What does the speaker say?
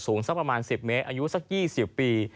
สักประมาณ๑๐เมตรอายุสัก๒๐ปี